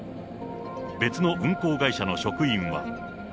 別の運航会社の職員は。